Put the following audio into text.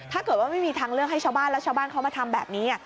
ถ้าเกิดว่าไม่มีทางเลือกให้ชาวบ้านแล้วชาวบ้านเขามาทำแบบนี้